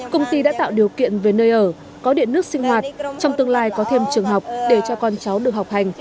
công ty đã tạo điều kiện về nơi ở có điện nước sinh hoạt trong tương lai có thêm trường học để cho con cháu được học hành